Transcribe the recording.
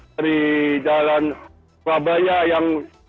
di jalan babaya yang